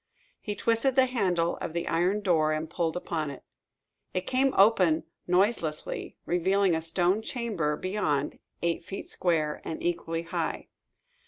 He twisted the handle of the iron door and pulled upon it. It came open noiselessly, revealing a stone chamber beyond, eight feet square, and equally high.